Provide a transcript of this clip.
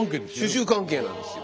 主従関係なんですよ。